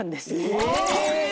え！